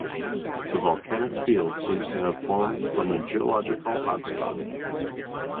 The volcanic field seems to have formed from a geological hotspot.